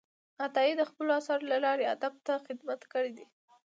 عطايي د خپلو آثارو له لارې ادب ته خدمت کړی دی.